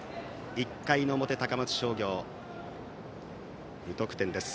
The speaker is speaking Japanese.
１回の表、高松商業無得点です。